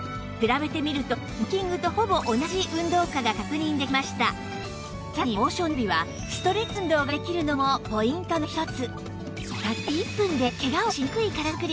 比べてみるとウォーキングとほぼ同じ運動効果がさらにモーションナビはストレッチ運動ができるのもポイントの一つ